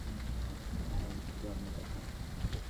ধন্যবাদ, হ্যাংক!